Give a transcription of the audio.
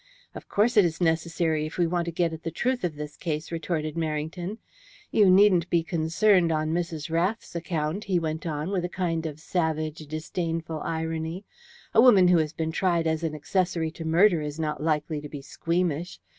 "Of course it is necessary if we want to get at the truth of this case," retorted Merrington. "You needn't be concerned on Mrs. Rath's account," he went on, with a kind of savage, disdainful irony. "A woman who has been tried as an accessory to murder is not likely to be squeamish.